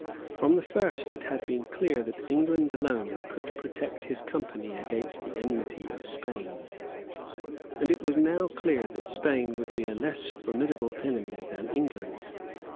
From the first it had been clear that England alone could protect his Company against the enmity of Spain; and it was now clear that Spain would be a less formidable enemy than England.